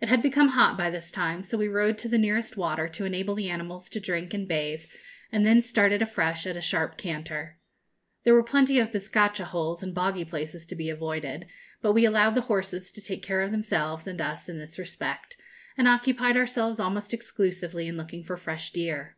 It had become hot by this time, so we rode to the nearest water, to enable the animals to drink and bathe, and then started afresh at a sharp canter. There were plenty of bizcacha holes and boggy places to be avoided; but we allowed the horses to take care of themselves and us in this respect, and occupied ourselves almost exclusively in looking for fresh deer.